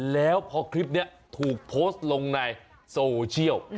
แล้วพอคลิปนี้ถูกโพสต์ลงในโซเชียล